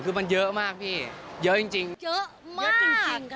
คือมันเยอะมากพี่เยอะจริงเยอะมากเยอะจริงจริงค่ะ